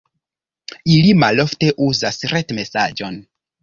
Ili malofte uzas retmesaĝon.